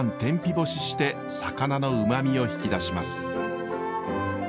干しして魚のうまみを引き出します。